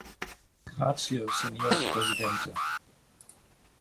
Grazie, Signor Presidente!